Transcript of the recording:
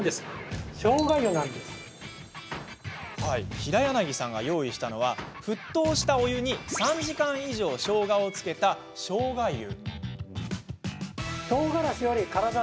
平柳さんが用意したのは沸騰したお湯に３時間以上しょうがをつけた、しょうが湯。